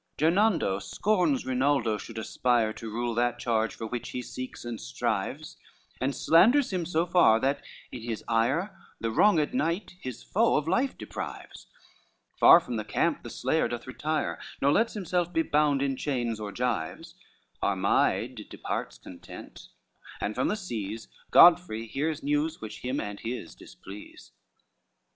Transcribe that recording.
Gernando scorns Rinaldo should aspire To rule that charge for which he seeks and strives, And slanders him so far, that in his ire The wronged knight his foe of life deprives: Far from the camp the slayer doth retire, Nor lets himself be bound in chains or gyves: Armide departs content, and from the seas Godfrey hears news which him and his displease.